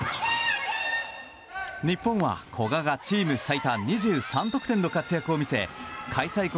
日本は古賀がチーム最多２３得点の活躍を見せ開催国